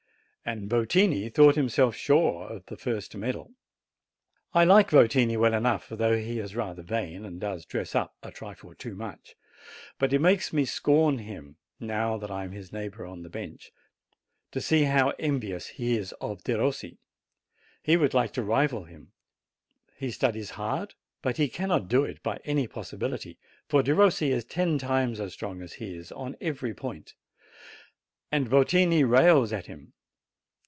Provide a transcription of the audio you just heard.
And \ tini thought himself sure of the first medal! I like Votini well enough, although he is rather vain and does dress up a trifle too much, but it makes me ,rn him, now that I am his neighbor on the bench, tc . fa 'rnvious he is of Dero He would like to rival him; he studies hard, but he cannr,: do it by any jility, for Den : is ten time as ,tron; ht is on every '.'Ant; and Votini rails at him.